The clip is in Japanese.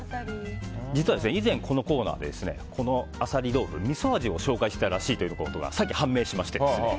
実は以前、このコーナーでこのアサリ豆腐みそ味を紹介したらしいということがさっき判明しまして。